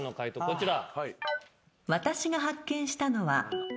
こちら。